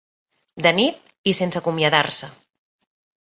De nit i sense acomiadar-se.